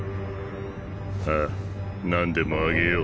ああ何でもあげよう。